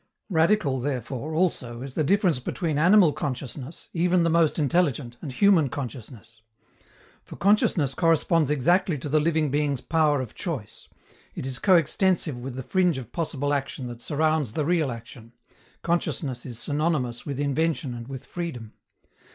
Radical therefore, also, is the difference between animal consciousness, even the most intelligent, and human consciousness. For consciousness corresponds exactly to the living being's power of choice; it is coextensive with the fringe of possible action that surrounds the real action: consciousness is synonymous with invention and with freedom.